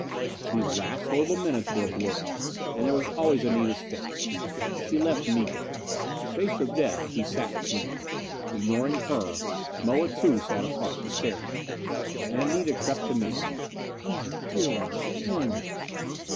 These last horrible minutes were a blur. And there was always Anita's face. She left Miko. Faced with death, he sat clinging. Ignoring her, Moa, too, sat apart. Staring And Anita crept to me. "Gregg, dear one. The end...."